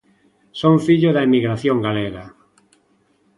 Son fillo da emigración galega.